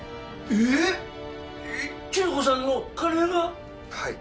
えっ⁉千鶴子さんのカレーが⁉はい。